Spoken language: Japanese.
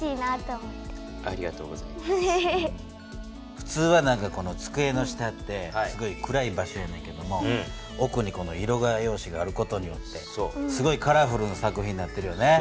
ふつうはつくえの下ってすごい暗い場所やねんけども奥に色画用紙がある事によってすごいカラフルな作品になってるよね。